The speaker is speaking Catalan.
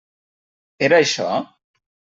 Era això?